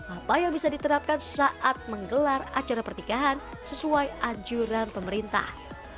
apa yang bisa diterapkan saat menggelar acara pernikahan sesuai anjuran pemerintah